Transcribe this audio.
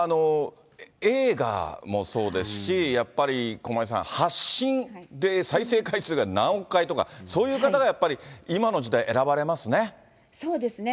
映画もそうですし、やっぱり駒井さん、発信で再生回数が何億回とか、そういう方がやっぱり、今の時代、そうですね。